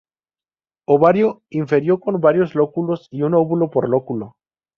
Ovario ínfero con varios lóculos y un óvulo por lóculo.